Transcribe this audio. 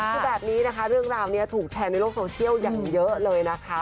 คือแบบนี้นะคะเรื่องราวนี้ถูกแชร์ในโลกโซเชียลอย่างเยอะเลยนะคะ